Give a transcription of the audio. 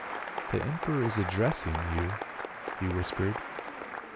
" The emperor is addressing you," he whispered.